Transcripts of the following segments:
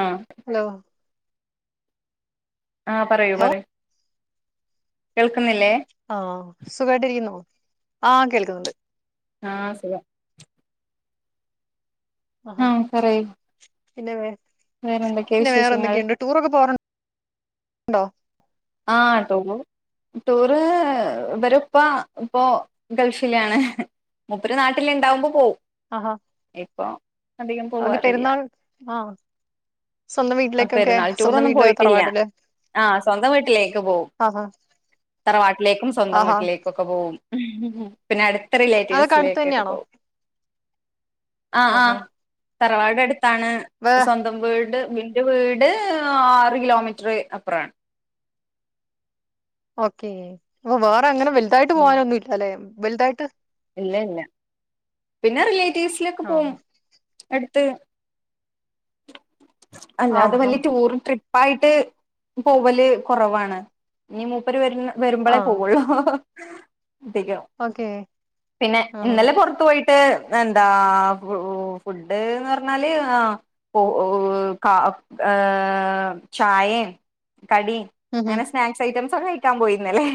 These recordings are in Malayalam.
ആഹ് ഹലോ ആഹ് പറയൂ ഹലോ പറയൂ കേൾക്കുന്നില്ലേ ആഹ് സുഖമായിട്ടിരിക്കുന്നു ആഹ് കേൾക്കുന്നുണ്ട് ആഹ് സുഖം ആഹ് പിന്നെ വേ വേറെന്തൊക്കെയാ പിന്നെ വേറെ വിശേഷങ്ങൾ എന്തൊക്കെയുണ്ട് ടൂറൊക്കെ പോവാറ് ഉണ്ടോ ആഹ് ടൂറ് ടൂറ് ഇവരിപ്പൊ ഇപ്പൊ ഗൾഫില് ആണ് മൂപ്പര് നാട്ടില് ഇണ്ടാവുമ്പോ പോവും അഹാ ഇപ്പൊ അധികം പോവാറില്ല ആഹ് സ്വന്തം ആഹ് വീട്ടിലേക്കൊക്കെ പെരുന്നാൾ സ്വന്തം ടൂറൊന്നും വീട്ടില് പോയിട്ടില്ല തറവാട്ടില് ആഹ് സ്വന്തം വീട്ടി ലേക്ക് പോവും ആഹാ തറവാട്ടിലേക്കും സ്വന്തം ആഹാ വീട്ടിലേക്കൊക്കെ പോവും പിന്നെ അടുത്ത അതൊക്കെ അടുത്ത് റിലേറ്റീവ്സിലേക്കൊക്കെ തന്നെയാണോ പോവും ആഹ് ആഹാ ആഹ് തറവാട് അടുത്താണ് വേ സ്വ ന്തം വീട് ഇന്റെ വീട് ആറ് കിലോമീറ്റർ അപ്പുറാണ് ഓക്കേ അപ്പൊ വേറെ അങ്ങനെ വലുതായിട്ട് പോകാനൊന്നുംല്ല അല്ലെ വലുതായിട്ട് ഇല്ല ഇല്ല പിന്നെ റിലേറ്റീവ്സിലൊക്കെ പോകും ആഹ് അടുത്ത് അല്ലാതെ ആഹാ വലിയ ടൂറും ട്രി പ്പായിട്ട് പോവല് കുറവാണ് ഇനി മൂപ്പര് വര വരുമ്പോളേ ആഹ് പോവുള്ളൂ ഓക്കെ പിന്നെ ഇന്നലെ പുറത്തു പോയി ട്ട് എന്താ ഫുഡ് എന്ന് പറഞ്ഞാല് ആഹ് കാ ആഹ് ചായേം കടിം ഉം ഉം അങ്ങനെ സ്നാക്സ് ഐറ്റംസ് ഒക്കെ കഴിക്കാൻ പോയി ഇന്നലെ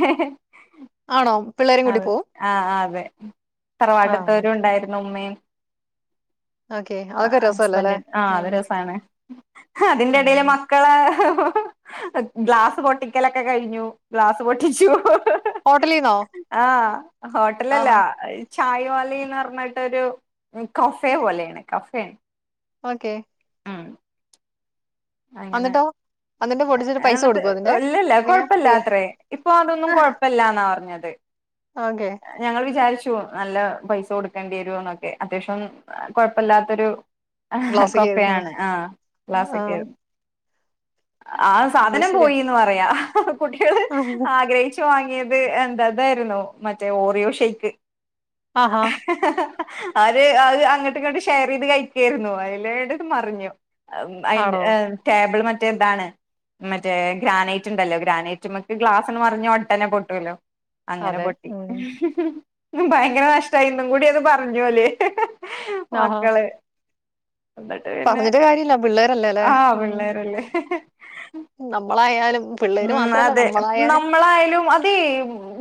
ആണോ പിള്ളേരും കൂട്ടി പോവും ആഹ് ആഹ് അതെ ആഹ് തറവാട്ടത്തവരും ഉണ്ടായിരുന്നു ഉമ്മയും ഓക്കേ അതൊക്കെ രസല്ലേ ഹസ്ബന്ഡ് അല്ലേ ആഹ് അത് ഉം രസാണ് അതിന്റെ ഉം ഇടയില് മ മക്കള് ഗ്ലാസ് പൊട്ടിക്കലൊക്കെ കഴിഞ്ഞു ഗ്ലാസ് പൊട്ടിച്ചു ഹോട്ടലിന്നോ ആഹ് ആഹാ ഹോട്ടലല്ലാ ചായവാലിന്ന് പറഞ്ഞിട്ട് ഒരു കഫേ പോലെയാണ് കഫേ ഓക്കെ അങ്ങനെ എന്നിട്ടോ എന്നിട്ട് പൊട്ടിച്ചിട്ട് പൈസ എന്നിട്ട് കൊടുക്കുവോ അതിന്റെ ഇല്ലില്ല എങ്ങനെയാ കൊഴപ്പീല്ല ഫ്രീയ അത്രേ ഇപ്പൊ അതൊന്നും കൊഴപ്പില്ലാന്നാ പറഞ്ഞത് ആകെ ഞങ്ങള് വിചാരിച്ചു നല്ല പൈസ കൊടുക്കേണ്ടി വരും എന്നൊക്കെ അത്യാവശ്യം കുഴപ്പമില്ലാത്തൊരു ക്ലാസ്സിക്ക് ആയിരുന്നു കൊഫയാണ് ആഹ് ക്ലാസിക്ക് ആഹ് ആഹ് അത് സാധനം ശരിയാ പോയീന്ന് പറയാം കുട്ടികള് ആഗ്രഹി ച്ചു വാങ്ങിയത് എന്താ ഇതായിരുന്നു മറ്റേ ഓറിയോ ഷെയിക്ക് ആഹാ അവര് അത് അങ്ങോട്ട് ഇങ്ങോട്ട് ഷെയർ ചെയ്ത് കഴിക്കായിരുന്നു അതിലെടേല് അത് മറിഞ്ഞു ആണോ അതി ടേബിൾ മ റ്റേ ഇതാണ് മറ്റേ ഗ്രാനൈറ്റ് ഉണ്ടല്ലോ ഗ്രാനൈറ്റ്മ്മ്ക്ക് ഗ്ലാസ് ഒന്ന് മറിഞ്ഞാ ഒടനെ പൊട്ടുവല്ലോ അങ്ങനെ അതെ പൊട്ടി ഉം ഭയങ്കര നഷ്ടമായി ഇന്നും കൂടി അത് പറഞ്ഞു ഓല് ആഹാ മക്കള് എന്നിട്ട് പിന്നെ പറഞ്ഞിട്ട് കാര്യല്ല പിള്ളേരല്ലേ അല്ലേ ആ ഉം പിള്ളേരല്ലേ നമ്മളായാലും പിള്ളേര് ഉം മാത്രമല്ല അതെ നമ്മളായാലും നമ്മളായാലും അതേ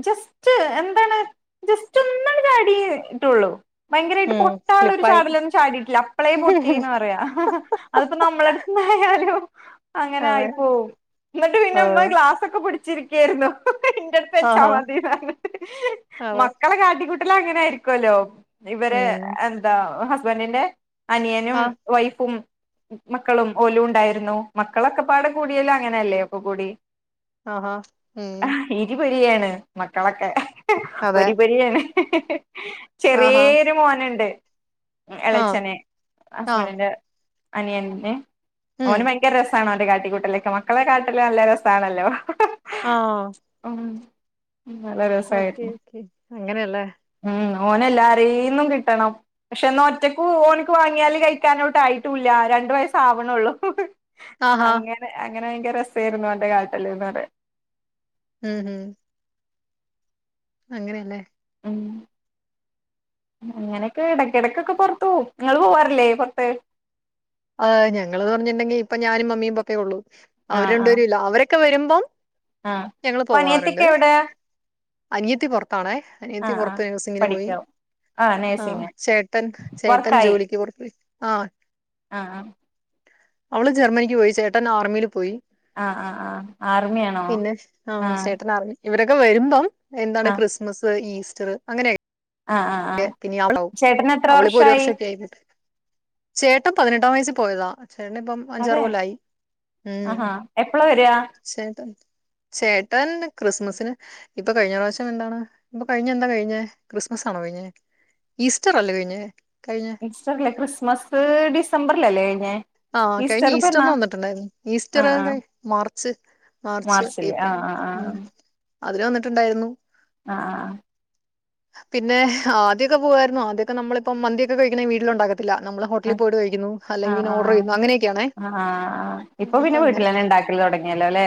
ജസ്റ്റ് എന്താണ് ജസ്റ്റ് ഒന്നങ്ങട് അടിയേ ഇട്ടുള്ളൂ ഭയങ്കരമായിട്ട് ഉം പൊട്ടാനുള്ളൊരു ഫ്ലിപ്പായി ചാടലൊന്നും ചാടിയിട്ടില്ല അപ്പളേ പൊട്ടീന്ന് പറയാ അതിപ്പോ നമ്മള് എന്തായാലും അങ്ങനെ അതെ ആയി പോവും പിന്നുമ്മ ആഹ് ഗ്ലാസൊക്കെ പിടിച്ചിരിക്കുകയായിരുന്നു എന്റെ വെച്ചാ ആഹാ മതീന്ന് പറഞ്ഞ് അതെ മക്കളെ കാട്ടിക്കൂട്ടല് അങ്ങനെ ആയിരിക്കുവല്ലോ ഇവര് ഉം എന്താ ഹസ്ബന്റിന്റെ അനിയനും ആഹ് വൈഫും മക്കളും ഓലും ഉണ്ടായിരുന്നു. മക്കളൊക്കെ പാടെ കൂടിയാലും അങ്ങനെയല്ലേ ഇപ്പൊ കുടി ആഹാ ഉം ഇരുപൊരിയാണ് മക്കളൊക്കെ അതെ പൊരിപൊരിയാണ് ആഹാ ചെറിയേരു മോനുണ്ട് ആഹ് എളേച്ചന് ആഹ് ഹസ്ബന്റിന്റെ അനിയന്റെ ഉം ഓന് ഭയങ്കര രസാണ് ഓന്റെ കാട്ടിക്കൂട്ടലൊക്കെ മക്കളെ കാ ട്ടല് നല്ല രസാണല്ലോ ആഹ് ഉം നല്ല ഓക്കെ രസായിരുന്നു ഓക്കെ അങ്ങനെയല്ലേ ഉം ഓനെല്ലാരീന്നും കിട്ടണം. പക്ഷെ എന്നാ ഒറ്റക്ക് ഓൻക്ക് വാങ്ങിയാല് കഴിക്കാനൊട്ട് ആയിട്ടൂല്ല രണ്ട് വയസാവുണുള്ളൂ ആഹാ അങ്ങനെ. അങ്ങനെയങ്കര രസായിരുന്നു ഓന്റെ കാട്ടല് എന്ന് പറ ഉം ഉം അങ്ങനെന്നെ ഉം അങ്ങനെയൊക്കെ എടക്കിടക്കൊക്കെ പൊറത്ത്‌ പോവും നിങ്ങള് പോവാറില്ലേ പൊറത്ത് ആ ഞങ്ങള്ന്ന് പറഞ്ഞിണ്ടെങ്കി ഇപ്പൊ ഞാനും മമ്മിയും പപ്പേ ഉള്ളൂ ആഹ് അവരെണ്ട ആഹ് വരല്ല അവരൊക്കെ വരുമ്പം ആഹ് ഞങ്ങള് പ്പ അനിയത്തിക്കെ പോവാറുണ്ട് എവിടെ അനിയത്തി പൊറത്താണേ അനിയത്തി ആഹ് ആഹ് പൊറത്ത് നെഴ്‌സിങ്ങിന് പോയി പഠിക്കാവും ആഹ് ചേട്ടൻ ചേട്ടൻ വർക്കായി ജോലിക്ക് പുറത്ത് പോയി ആഹ് ആഹ് അവള് ജർമനിക്ക് പോയി ചേട്ടൻ ആർമിയിൽ പോയി ആഹ് ആഹ് ആഹ് ആഹ് ആർമിയാണോ പിന്നെ ആ ആഹ് ചേട്ടൻ ആർമി ഇവരൊക്കെ വരുമ്പം എന്താണ് ആഹ് ക്രിസ്മസ് ഈസ്റ്റർ അങ്ങനെയൊ ആഹ് ആഹ് ആഹ് പിന്ന അവളാവും ചേട്ടന് എത്ര അവളിപ്പോ ഒരു വർഷായി വർഷൊക്കെ കയിഞ്ഞിട്ട് ചേട്ടം പതിനെട്ടാം വയസ്സിൽ പോയതാ ചേട്ടനിപ്പം അഞ്ചാറ് അതെ കൊല്ലായി ഉം ആഹാ എപ്പളാ വരാ ചേട്ട ചേട്ടൻ ക്രിസ്മസിന് ഇപ്പൊ കഴിഞ്ഞ പ്രാവശ്യം എന്താണ് ഇപ്പൊ കഴിഞ്ഞ എന്താ കഴിഞ്ഞ് ക്രിസ്മസ് ആണോ കഴിഞ്ഞേ ഈസ്റ്റർ അല്ലേ കഴിഞ്ഞ് കഴിഞ്ഞ് ഈസ്റ്ററല്ലേ ക്രിസ്മസ് ഡിസംബറിലല്ലേ ഴിഞ്ഞേ ആഹ് കഴിഞ്ഞ് ഈസ്റ്ററിന് വന്നിട്ടുണ്ടായിരുന്നു ഈസ്റ്റർ ആഹ് ആഹ് മാർച്ച് മാർച്ച് മാർച്ചില് ഏപ്രിൽ ആഹ് ഉം ആഹ് അതിന് വന്നിട്ടുണ്ടായിരുന്നു ആഹ് ആഹ് പിന്നെ ആദ്യക്കെ പോവായിരുന്നു ആദ്യക്കെ നമ്മളിപ്പോ മന്തിക്കെ കഴിക്കണെ വീട്ടിലുണ്ടാക്ക. ല്ല നമ്മള് ഹോട്ടിൽ ആഹ് പോയിട്ട് കഴിക്കുന്നു അല്ലെങ്കിൽ ആഹ് പിന്നെ... ആഹ് ഓർഡർ ചെയ്യുന്നു അങ്ങനെയൊക്കെയാണേ ആഹ് ആഹ് ഇപ്പൊ അപ്പൊ പിന്നെ അങ്ങനെ വീട്ടിലെന്നെ ഉണ്ടാക്കൽ തൊ ടങ്ങിയാല്ലോല്ലെ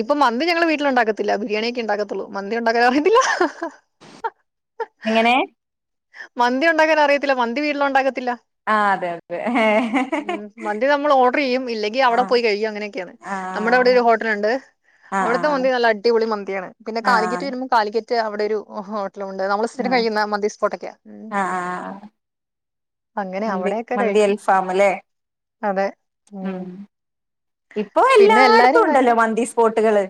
ഇപ്പൊ മന്തി ഞങ്ങള് വീട്ടില് ഉണ്ടാക്കത്തില്ല ബിരിയാണിയൊക്കെ ഉണ്ടാക്കത്തുള്ളൂ മന്തി ഉണ്ടാക്കാൻ അറിയത്തില്ല ആഹ് എങ്ങനെ മന്തി ഉണ്ടാകാൻ അറിയത്തില്ല മന്തി വീട്ടില് ഉണ്ടാകത്തില്ല ആഹ് അതെ അതെ ഉംമന്തി നമ്മൾ ഓർഡർ ചെയ്യും ഇല്ലെങ്കി അവിടെ ആഹ് പോയി കഴിയും അങ്ങനെയൊക്കെയാണ് ആഹ് നമ്മടെ അവിടെ ഒരു ഹോട്ടലുണ്ട് ആഹ് അവിടുത്തെ ആഹ് മന്തി നല്ല അടിപൊളി മന്തിയാണ് പിന്നെ ആഹ് കാലിക്കിറ്റ് വരുമ്പോ കാലിക്കറ്റ് അവിടെ ഒരു ഹോട്ടലുണ്ട് നമ്മൾ സ്ഥിരം ആഹ് കഴിയുന്ന മീ സ്പോട്ട് ഒക്കെ ഉം ആഹ് ആഹ് അങ്ങനെ മന്തി അവിടെയൊക്കെ മന്തി കഴിക്കും അൽഫാമല്ലേ ഉം ഇപ്പൊ പിന്നെ എല്ലാട്ത്തും എല്ലാരും ഉണ്ടല്ലോ വരണം മന്തി സ്പോട്ടുകള്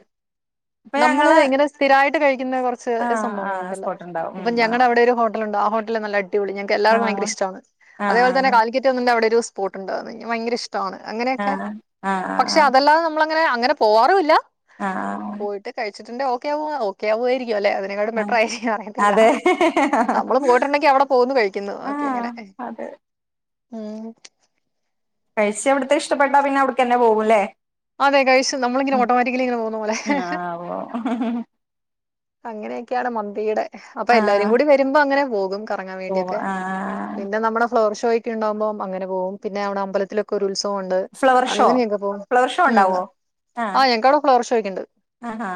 ഇപ്പൊ നമ്മള് ഞങ്ങള് ഇങ്ങനെ സ്ഥിരായിട്ട് കഴിക്കുന്ന കുറച്ച് ആഹ് ആഹ് സംഭവങ്ങളുണ്ടല്ലോ സ്പോട്ട് ഉണ്ടാവും അപ്പൊ ഉം ഞങ്ങടെ അവിടെ ഒരു ഹോട്ടലുണ്ട് ആഹോട്ടല്നല്ലടിപൊളി ഞങ്ങക്ക് എല്ലാവർക്ക ആഹ് ഭയങ്കര ഇ്ഷ്ടാണ് അതെ പോലെ തന്നെ ആഹ് കാ ലിക്ക.. [unintelligible] അവിടെ ഒരു സ്പോട്ട് ണ്ട് ഭയങ്കര ഇഷ്ടാണ് അങ്ങനെയൊക്കെ ആഹ് ആഹ് പക്ഷെ ആഹ് അതല്ലാതെ.. നമ്മളങ്ങനെ അങ്ങനെ പോവാറുല്ല ആഹ് പോയിട്ട് കഴിച്ചിട്ട് ണ്ട് ഓക്കെവോ ഓക്കെ ആവുയാരിക്കും ല്ലെ അ.. [unintelligible] ആഹ് മെട്രോ [unintelligible] അറിയത്തില്ലാ [inaudible] നമ്മള് പോയിട്ടുണ്ടെങ്കി അവിടെ പോകുന്നു കഴിക്കുന്നു ഓക്കെ ആഹ് അങ്ങനെ അതെ ഉം കഴിച്ച് അവിടെത്തെ ഇഷ്ടപ്പെട്ടാ പിന്നെ അവിടക്കെന്നെ പോകുല്ലേ അതെ കഴിച്ചു നമ്മളിങ്ങനെ ഓട്ടോമാറ്റിക്കിലി ഇങ്ങനെ പോകുന്ന പോലെ [unintelligible] അങ്ങനെയൊക്കെയാണ് മന്തിയുടെ അപ്പൊ ആഹ് എല്ലാരുംകൂടി വരുമ്പോ അങ്ങനെ പോകും ക കറങ്ങാൻ പോവും വേണ്ടിയൊക്കെ ആഹ് പിന്നെ നമ്മുടെ ഫ്ലോർഷോ ഒക്കെ ഇണ്ടാകുമ്പോ അങ്ങനെ പോകും പിന്നെ അവ്ടെ അമ്പലത്തിലൊ കൊരു ഉത്സവൊണ്ട് ഫ്ലവർ ഷോ അങ്ങനെയൊക്കെ പോകും ഫ്ലവർ ഷോ ഉം ഉണ്ടാവോ ആഹ് ഞങ്ങക്കവ്ടെ ഫ്ലവർ ഷോക്കെണ്ട് ആ ഹാ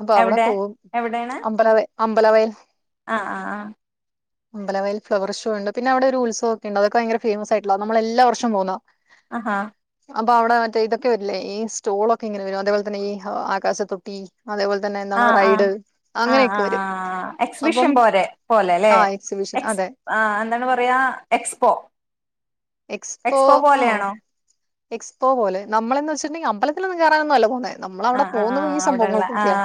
അപ്പൊ അവ്ടെ പോവും എവിടെയാണ് അമ്പലവയ അമ്പലവയൽ ആഹ് ആഹ് ആഹ് അമ്പലവയൽ ഫ്ലവർഷോ ഉണ്ട് പിന്നെവിടെ ഒരു ഉത്സവക്കെണ്ട് അതൊക്കെ ഭയങ്കര ഫേമസായിട്ടുള്ളതാ നമ്മളെല്ലാ വർഷവും പോവുന്നതാ അഹാ അപ്പൊ അവിടെ മറ്റേ ഇതൊക്കെ വരില്ലേ ഈ സ്റ്റോളൊക്കെ ഇങ്ങനെ വരും അതേപോലെതന്നെ ഈ ആകാശത്തൊട്ടി അതെ പോലെ ആഹ് ആഹ് ആഹ് ആഹ് ഹഹഹഹ അപ്പം എക്സിബിഷൻ പോലെ പോലെലേ ആ എക്സിബിഷൻ എക്സ് അതെ ആഹ് എന്താണ് പറയാ എക്സ്പോ എക്സ്പോ പോലെയാണോ എക്സ്പോ പോലെ നമ്മളെന്ന് വെച്ചട്ടുണ്ടെങ്കിൽ അമ്പലത്തിലൊന്നും കേറാനൊന്നവല്ലാ പോണെ നമ്മളവിടെ ആഹ് ആഹ് പോകുന്നത് ആഹ് ഈ അവിടെള്ള സംഭവങ്ങൾക്കൊക്കെയാണ്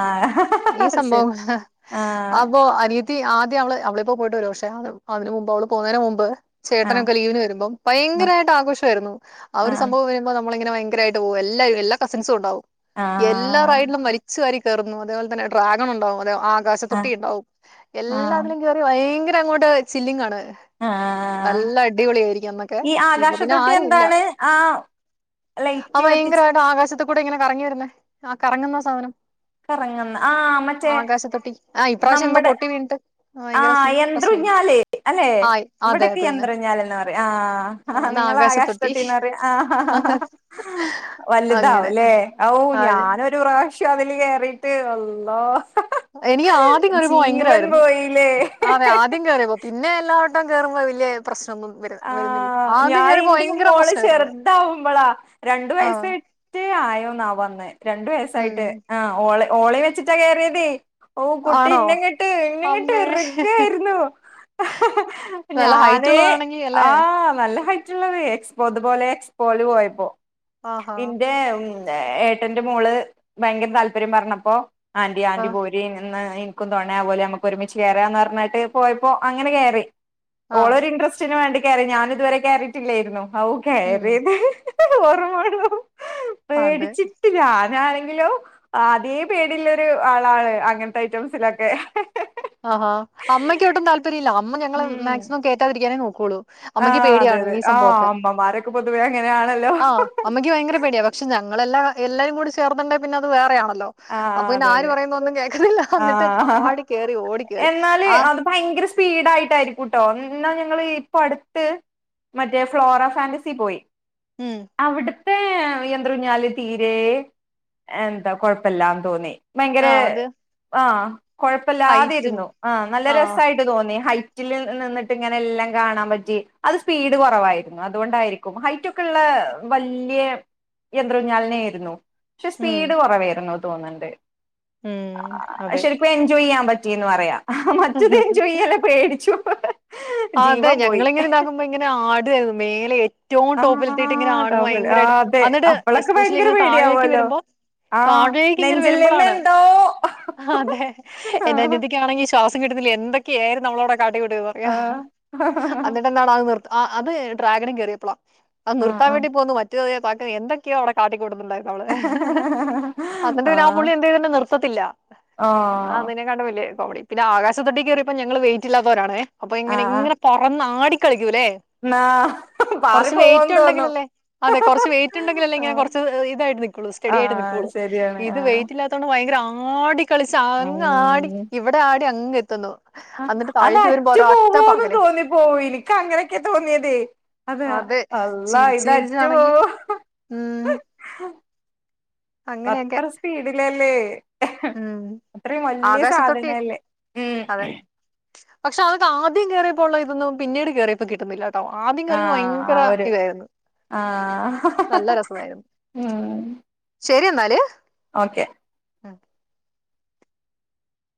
ഈ ശരി സംഭവങ്ങൾ ആഹ് അപ്പോ അനിയ ത്തി ആദ്യം അവള് അവളിപ്പോ പോയിട്ട് ഒരുവർഷം ആവുന്നൊള്ളൂ അതിന് മുമ്പ് അവള് പോണേന് മുമ്പ് ആഹ് ചേട്ടനൊക്കെ ലീവിന് വരുമ്പം ആഹ് ഭയങ്കരായിട്ട് ആഘോഷായിരുന്നു ആഹ് ഒരു സംഭവം വരുമ്പോ നമ്മളിങ്ങനെ ഭയങ്കരായിട്ട് പോവും എല്ലാരും എല്ലാ കസിൻസുണ്ടാവും ആഹ് എല്ലാ റൈഡിനുംവലിച്ചുവാരി കേറുന്നു അതേപോലെതന്നെ ഡ്രാഗനുണ്ടാവും അതെ ആ ആകാശത്തൊട്ടിയുണ്ടാവും ആഹ് ആഹ് എല്ലാത്തിനും കേറി ഭയങ്കരങ്ങോട്ട് ചില്ലിങ്ങാണ് ആഹ് നല്ല അടിപൊളിയായിരിക്കും അന്നൊക്കെ ഇപ്പൊ പിന്നെ ആരും ഇല്ല ആഹ് അഹ് ഭയങ്കരായിട്ട് ആകാശത്തി കൂടെ ഇങ്ങനെ കറങ്ങി വരുന്നേ ആഹ് കറങ്ങുന്ന സാദനം കറങ്ങുന്ന ആഹ് മറ്റേ ആകാശതൊട്ടി ആഹ് ഈപ്രാവിശ്യം എന്തോ നമ്മടെ പൊട്ടിവീണിട്ട് ആഹ് യന്ത്ര ഊഞ്ഞാല് അല്ലെ ആ അതെ ഇവിടൊക്കെ അത് തന്നെ യന്ത്രൂഞ്ഞാലെന്നാ പറയാ ആഹ് ആഹ് എന്നാ ആകാശത്തൊട്ടി നിങ്ങളാകാശതൊട്ടീന്നറയാ ആഹ് അങ്ങനെ വലുതാവുല്ലേ ഔ ഞാനൊരു പ്രാവിശ്യം അതില് കേറിയിട്ട് അള്ളാഹ് എനിക്ക് ആദ്യം കേറിയപ്പൊ ഭയങ്കരായിരുന്നു പോയില്ലേ അതെ ആദ്യം കേറിയപ്പോ പിന്നെ എല്ലാവട്ടം കേറുമ്പോ വല്ല്യ പ്രശ്നൊന്നും ആഹ് ഞാ എന്റിം മോള് പ്രശ്നമായിരുന്നു ചെറുതാവുമ്പളാ രണ്ടു ആഹ് വയസേ റ്റേ ആയോന്നാവാന്ന് രണ്ടു ഉം വയസ്സായിട്ട് ആഹ് ഓളെ ഓളേ വെച്ചിട്ടാ കേറിയതെ ഓ കുട്ടി ആണോ ഇന്നെങ്ങോട്ട് ഇന്നെങ്ങോട്ട് അമ്മേ ഇറുഗായിരുന്നു നല്ല ഹൈറ്റ് ഞാന് ഉള്ളതാണെങ്കി അല്ലേ ആഹ് നല്ല ഹൈറ്റുള്ളത് എക്സ്പോ അതുപോലെ എക്സ്പോല് പോയപ്പോ ആഹാ എന്റെ ഉം ഏട്ടൻ്റെ മോള് ഭയങ്കര താല്പര്യം പറഞ്ഞപ്പോ ആന്റി ആന്റി ആഹ് പോരിം ഇന്ന്ഇൻ ക്കും തൊണേയാവോലൊ നമുക്ക് ഒരുമിച്ച് കേറാന്നറഞ്ഞിട്ട് പോയപ്പോ അങ്ങനെ കേറി ആഹ് ഓളൊരു ഇൻട്രസ്റ്റ് റ്റീന് വേണ്ടി കേറി ഞാനിതുവരെ കേറീട്ടില്ലായിരുന്നു ഔ ഉം കേറിയത് ഓർമ്മേയുള്ളൂ അതെ പേടിച്ചിട്ട് ഞാനാണെങ്കിലോ അതേ പേടീള്ളൊരു ആളാണ് അങ്ങൻത്തെ ഐറ്റംസിലൊക്കെ ആഹാ അമ്മക്കൊട്ടും താല്പര്യല്ല അമ്മ ഞങ്ങളെ മാക്സിമം കേറ്റാതിരിക്കാനേ നോക്കൊള്ളൂ ആഹ് അതെ അതെ ആഹ് അമ്മമാരൊക്കെ പൊതുവേ അങ്ങനെയാണല്ലോ ആഹ് അമ്മയ്ക്ക് ഭയങ്കര പേടിയി പക്ഷെ ഞങ്ങളെല്ലാ എല്ലാരുംകൂടെ ചേർന്നുണ്ടേ പിന്നെ അത് വേറെ ആണല്ലോ. ആ അപ്പൊപിന്നെ അതെ ആര് അതെ പറയുന്ന ഒന്നും കേക്കുന്നില്ല ആ എന്നിട്ട് ചാടി കേറി ഓടി കേറി എന്നാല് ആഹ് അത് ഭയങ്കര സ്പീഡായിട്ടായിരിക്കുംട്ടോ എന്നാ ഞങ്ങള് ഇപ്പൊ അടുത്ത്. മറ്റേ ഫ്ലോറാഫാന്റസി പോയി. ഉം അവിടുത്തെ യന്ത്ര ഊഞ്ഞാല് തീരെ എന്താ കൊഴപ്പിലാന്ന് തോന്നി ഭയങ്കര ആഹ് അത് ആഹ് ഹൈറ്റും കുഴപ്പമില്ലാതിരുന്നു ആഹ് നല്ല രസായി ട്ട് തോന്നി ഹൈറ്റില് നിന്നിട്ടിങ്ങനെ എല്ലാം കാണാൻ പറ്റി അത് സ്പീഡ് കൊറവായിരുന്നു അതൊണ്ടായിരി ക്കും ഹൈറ്റൊക്കെയുള്ള വല്യേ യന്ത്ര ഊഞ്ഞാലന്നയായിരുന്നു. പക്ഷെ ഉം സ്പീഡ് കൊറവായിരുന്നു തോന്നുണ്ട് ഉം ആഹ് അതെ ശെരിക്കും എൻജോയ് ചെയ്യാൻ പ റ്റീന്ന് പറയാം മറ്റേത് എൻജോയ് ചെയ്യാൻ പേടിച്ചു അതെ ജീവൻ പോയി ഞങ്ങളിങ്ങനെ ഇതാക്കുമ്പോ ഇങ്ങനെ ആടുവാരുന്നു മേലെ. എറ്റോം ടോപ്പിലെത്തിയിട്ട് ഇങ്ങനെ ആഹ് ആടും ടൗവൽ ഭയങ്കരായിട്ട് ആഹ് അതെ അന്നിട്ട് അപ്പളൊക്കെ എസ്പെഷ്യലി ഭയങ്കര ഇങ്ങനെ താഴേക്ക് പേടിയാവുമല്ലോ വരുമ്പോ. ആഹ് താഴേക്കിങ്ങനെ നെഞ്ചിൽ നിന്ന് വരുമ്പൊളാണ് എന്തോ അതെ ആഹ് എന്റനിയത്തിക്കാണെങ്കി. ശ്വാസംകിട്ടുന്നില്ല എന്തൊക്കെയായിരുന്ന് അവളവിടെ കാട്ടിക്കൂട്ടിയിരുന്നെ. ആഹ്. എന്നിട്ടെന്താണ് അത് നിർ അത് ഡ്രാഗന് കേറിയപ്പളാ അത് ആഹ് നിർത്താൻ ആഹ് വേണ്ടി പോന്ന്. പാട്ടിന് എന്തൊക്ക്യോ അവിടെ കാട്ടിക്കുട്ടുന്നുണ്ടായിരുന്നു. നമ്മള് അതിന്റെ പിന്നെ ആ ആഹ് പുള്ളി എന്ത് ചെയ്തിട്ടും നിർത്തത്തില്ല. ആഹ് അതിനെകാട്ട് വല്യ കോമഡി പിന്നെ ആകാശത്തൊട്ടികേറിയപ്പോ ഞങ്ങള് വെയിറ്റ്ല്ലാത്തോരാണെ അപ്പോയിങ്ങനെ. ആഹ് പറന്നാടികളിക്കൂല്ലേ. ന്നാ ഹ്. കൊറച്ച് വെയിറ്റിണ്ടെങ്കിലല്ലേ അതെ കൊറച്ച് വെയിറ്റിണ്ടെങ്കിലല്ലേ ഇങ്ങനെ ആഹ് കൊറച്ച് ഇതായിട്ട് നിക്കുള്ളൂ. സ്റ്റഡിയായിട്ട് ആഹ് നിക്കുവൊള്ളു ശരിയാണ് ഇത് ആഹ് വെയിറ്റില്ലാ ത്തോണ്ട്‌ ഭയങ്കരാടി കളിച്ച് അങ്ങാടി ഉം ഇവിടാടി അങ്ങ് എത്തുന്നു. ആ എന്നിട്ട് അത് താഴേക്ക് വരുമ്പോ അറ്റു ഒരൊറ്റ പോവോന്ന് പറക്കല് തോന്നിപ്പോവും എനിക്കങ്ങനൊക്കെയാ തോന്ന്യേതേ. അതെ അള്ളാ ചിരിച്ച് ഇതറ്റ് ചിരിച്ചാണെങ്കിൽ പോവൊ. ഉം. അങ്ങനെയൊക്കെ അത്ര സ്പീഡിലല്ലേ ഉം അത്രേം വല്യ ആകാശത്തൊട്ടി സാധനല്ലേ ഉം. അതെ പക്ഷെ അതിലാദ്യം കേറിയപ്പോളുള്ള ഇതൊന്നും പിന്നീട് കേറിയപ്പോ കിട്ടുന്നില്ല. ട്ടോ ആദ്യം കേറിയപ്പോ ആഹ് ആ ഭയങ്കര ഒരു ഇതായിരുന്നു. ആഹ് ഹഹഹഹ ഉം. ശെരിയെന്നാല്. ഓക്കെ. ആഹ്